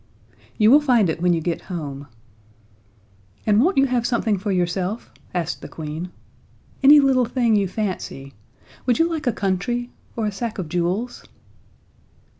"You will find it when you get home." "And won't you have something for yourself?" asked the Queen. "Any little thing you fancy would you like a country, or a sack of jewels?"